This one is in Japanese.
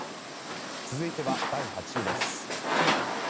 続いては第８位です。